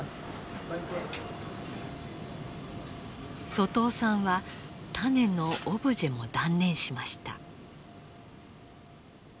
外尾さんは種のオブジェも断念しました。